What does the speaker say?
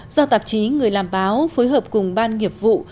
do tạp chí người làm báo phối hợp cùng ban nghiệp vụ